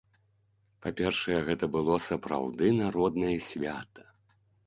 Па-першае, гэта было сапраўды народнае свята.